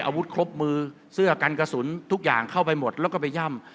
อาวุธครบมือเสื้อกันกระสุนทุกอย่างเข้าไปหมดแล้วก็ไปย่ำ